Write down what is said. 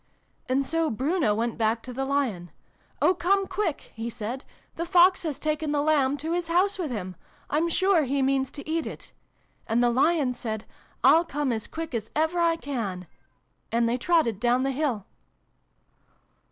"And so Bruno went back to the Lion. ' Oh, come quick !' he said. ' The Fox has taken the Lamb to his house with him ! I'm sure he means to eat it !' And the Lion said ' I'll come as quick as ever I can!' And they trotted down the hill."